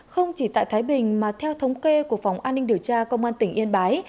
không chỉ tại thái bình mà theo thống kê của phòng an ninh điều tra công an tỉnh yên bái